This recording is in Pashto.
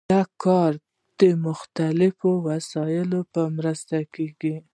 دا کار د مختلفو وسایلو په مرسته کیږي.